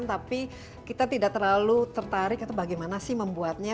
tapi kita tidak terlalu tertarik atau bagaimana sih membuatnya